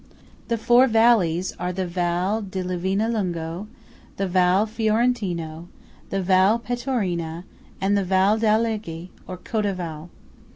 The four valleys are the Val di Livinallungo, the Val Fiorentino, the Val Pettorina, and the Val d'Alleghe, or Cordevole.